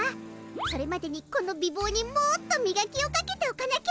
それまでにこの美ぼうにもっとみがきをかけておかなきゃ。